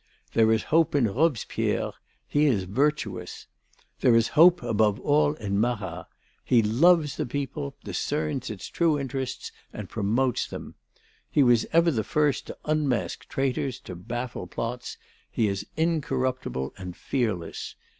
There is hope in Robespierre; he is virtuous. There is hope above all in Marat. He loves the people, discerns its true interests and promotes them. He was ever the first to unmask traitors, to baffle plots. He is incorruptible and fearless.